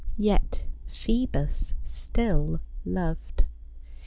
Yet Phoebus still loved.